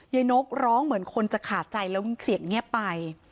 นกร้องเหมือนคนจะขาดใจแล้วเสียงเงียบไป